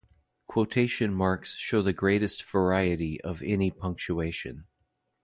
Quotation marks show the greatest variety of any punctuation.